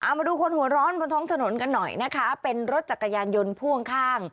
มาดูคนหัวร้อนบนท้องถนนกันหน่อยนะคะเป็นรถจักรยานยนต์พ่วงข้าง